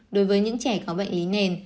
đối với những trẻ có bệnh lý nền